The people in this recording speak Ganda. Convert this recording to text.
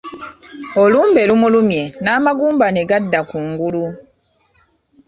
Olumbe lumulumye n'amagumba ne gadda ku ngulu.